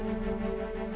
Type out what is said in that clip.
udah gak usah